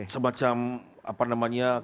semacam apa namanya